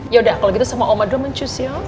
yaudah kalau gitu sama oma doang ancus ya